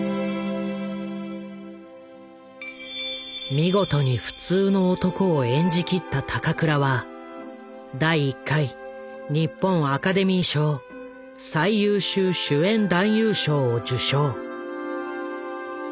見事に普通の男を演じ切った高倉は第１回日本アカデミー賞最優秀主演男優賞を受賞。